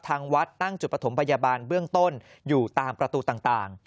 ทางวัดตั้งจุดประถมพยาบาลเบื้องต้นอยู่ตามประตูต่าง